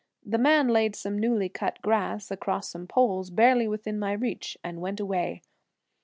The man laid some newly cut grass across some poles, barely within my reach, and went away.